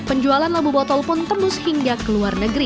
penjualan labu botol pun tembus hingga ke luar negeri